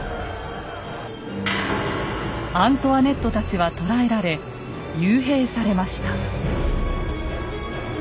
アントワネットたちは捕らえられ幽閉されました。